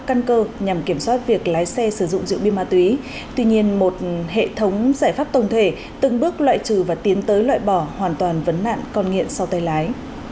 căn cơ nhằm kiểm soát việc lái xe sử dụng rượu bia ma túy tuy nhiên một hệ thống giải pháp tổng thể từng bước loại trừ và tiến tới loại bỏ hoàn toàn vấn nạn con nghiện sau tay lái